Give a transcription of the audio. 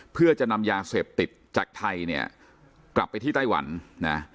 เพื่อจะนำยาเสพติดจากไทยเนี่ยกลับไปที่ไต้หวันนะ